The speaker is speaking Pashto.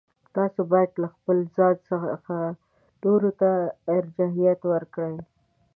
تاسو باید له خپل ځان څخه نورو ته ارجحیت ورکړئ.